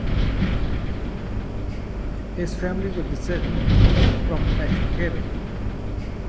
His family were descended from meshuchrarim.